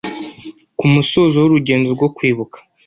Ku musozo w’urugendo rwo kwibuka